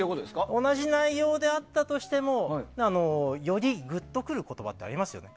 同じ内容であってもよりグッとくる言葉ありますよね。